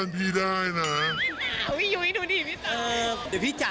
พี่ยุ้ยดูดีพี่เต๋า